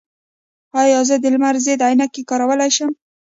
ایا زه د لمر ضد عینکې کارولی شم؟